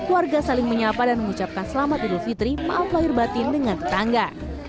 warga saling menyapa dan mengucapkan selamat idul fitri maaf lahir batin dengan tetangga